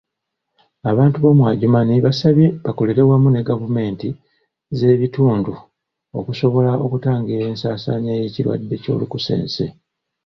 Abantu b'omu Adjumani basabye bakolere wamu ne gavumenti ez'ebitundu okusobola okutangira ensaasaanya y'ekirwadde Ky'olunkusense.